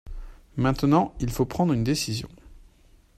Maintenant, il faut prendre une décision.